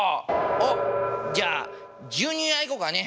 おっじゃあジュニアいこかね。